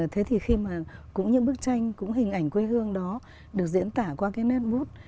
thế thì khi mà cũng như bức tranh cũng hình ảnh quê hương đó được diễn tả qua cái netwood